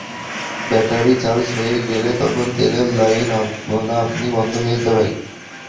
Battery charge হয়ে গেলে তখন তেলের লাইন আপনা-আপনিই বন্ধ হয়ে যায়।